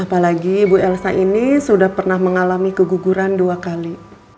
apalagi ibu elsa ini sudah pernah mengalami keguguran dua kali